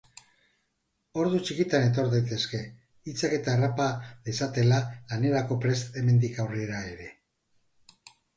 Ordu txikitan etor daitezke hitzak eta harrapa dezatela lanerako prest hemendik aurrera ere.